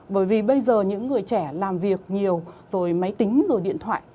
bởi vì bây giờ những người trẻ làm việc nhiều rồi máy tính rồi điện thoại